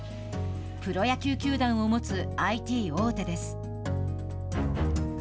プロ野球球団を持つＩＴ大手です。